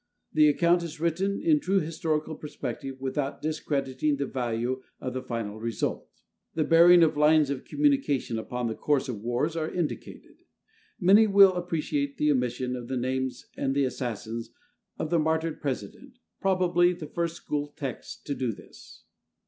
The account is written in true historical perspective without discrediting the value of the final result. The bearing of lines of communication upon the course of wars are indicated. Many will appreciate the omission of the names of the assassins of the martyred President, probably the first school text to do this.